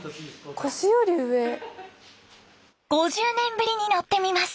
５０年ぶりに乗ってみます。